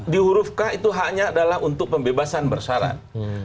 di huruf k itu haknya adalah untuk pembebasan bersyarat